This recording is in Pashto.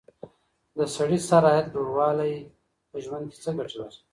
د سړي سر عايد لوړوالی په ژوند کي څه ګټې لري؟